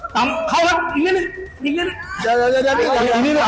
ต่ำเข้าระอีกนิดนึง